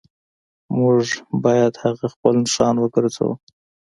موږ باید هغه خپل نښان وګرځوو